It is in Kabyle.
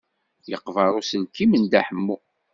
Yeqber uselkim n Dda Ḥemmu.